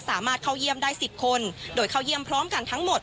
สามารถเข้าเยี่ยมได้๑๐คนโดยเข้าเยี่ยมพร้อมกันทั้งหมด